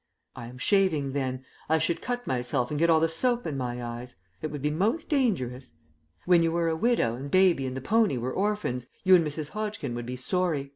"I am shaving then; I should cut myself and get all the soap in my eyes. It would be most dangerous. When you were a widow, and Baby and the pony were orphans, you and Mrs. Hodgkin would be sorry.